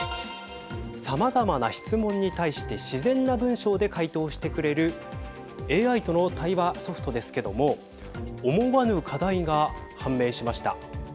さまざまな質問に対して自然な文章で回答してくれるＡＩとの対話ソフトですけども思わぬ課題が判明しました。